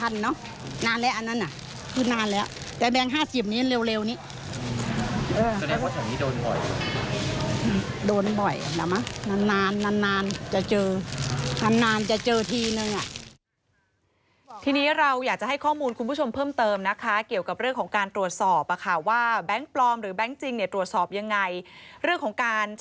โดนบ่อยนานจะเจอทีนึง